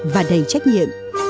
và đầy trách nhiệm